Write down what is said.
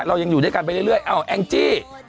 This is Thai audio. เรายังอยู่ด้วยกันไปเรื่อยอ้าวแองจี้